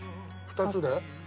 ２つで？